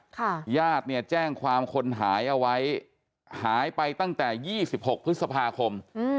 ค่ะญาติเนี่ยแจ้งความคนหายเอาไว้หายไปตั้งแต่๒๖พฤษภาคม